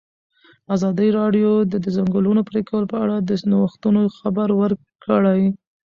ازادي راډیو د د ځنګلونو پرېکول په اړه د نوښتونو خبر ورکړی.